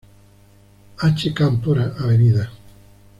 H. Cámpora, Av.